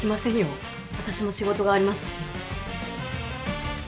私も仕事がありますし。